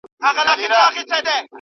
ټولني په تدریجي ډول بشپړېږي.